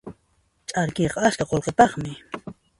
Ch'arkiyqa askha qullqipaqmi.